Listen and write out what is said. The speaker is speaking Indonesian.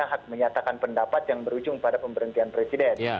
tidak harus menyatakan pendapat yang berujung pada pemberhentian presiden